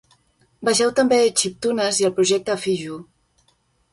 Vegeu també chiptunes i el projecte Fijuu.